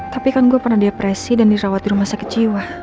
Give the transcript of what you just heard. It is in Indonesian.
tapi kan gue pernah depresi dan dirawat di rumah sakit jiwa